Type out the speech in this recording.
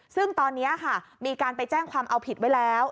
ซึ่งตอนนี้ค่ะมีการไปแจ้งความเอาผิดไว้แล้ว